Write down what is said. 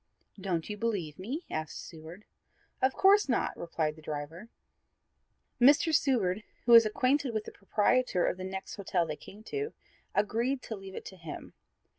"Don't you believe me?" asked Seward. "Of course not," replied the driver. Mr. Seward, who was acquainted with the proprietor of the next hotel they came to, agreed to leave it to him.